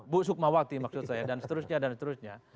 bu sukmawati maksud saya dan seterusnya dan seterusnya